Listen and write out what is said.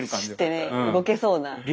シュッてね動けそうな。